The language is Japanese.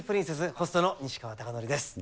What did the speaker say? ホストの西川貴教です。